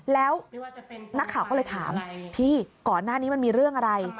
แล้วนักข่าวก็เลยถามพี่ก่อนหน้านี้มันมีเรื่องอะไร